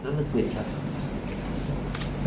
รถหึดเปลี่ยนครับ